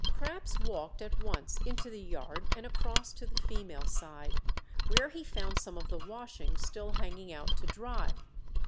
Krapps walked at once into the yard and across to the female side, where he found some of the washing still hanging out to dry.